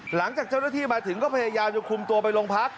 หลังจากเจ้าหน้าที่มาถึงก็พยายามจะคุมตัวไปโรงพัก